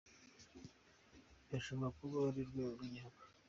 Bishobora kuba ari ku rwego rw’igihugu.